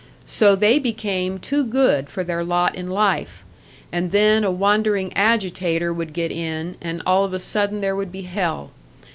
So they became too good for their lot in life; and then a wandering agitator would get in, and all of a sudden there would be hell.